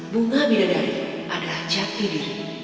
bunga bidadari adalah jati diri